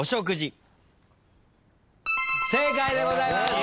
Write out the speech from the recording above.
正解でございます。